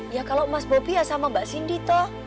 ya kalau mas bobi ya sama mbak sindi toh